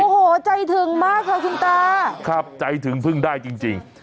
โอ้โหใจถึงมากค่ะคุณตาครับใจถึงพึ่งได้จริง